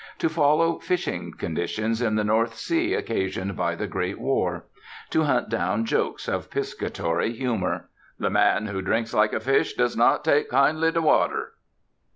To follow fishing conditions in the North Sea occasioned by the Great War. To hunt down jokes of piscatory humor. "The man who drinks like a fish does not take kindly to water.